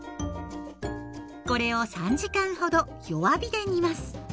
これを３時間ほど弱火で煮ます。